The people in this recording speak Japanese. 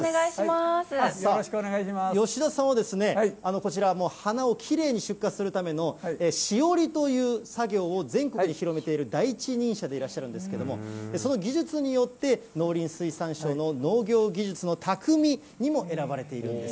吉田さんはですね、こちら、花をきれいに出荷するための、枝折りという作業を全国に広めている第一人者でいらっしゃるんですけれども、その技術によって、農林水産省の農業技術の匠にも選ばれているんです。